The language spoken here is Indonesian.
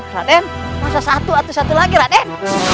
raden masa satu atau satu lagi raden